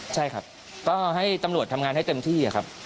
ใช่ครับก็ให้ตำรวจทำงานให้เต็มที่ครับ